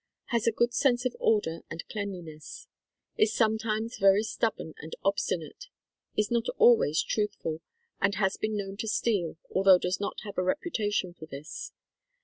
Has a good sense of order and cleanliness. Is sometimes very stubborn and obstinate. Is not always truth ful and has been known to steal, although does not have a reputation for this.